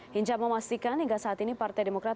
hinca memastikan hingga saat ini partai demokrat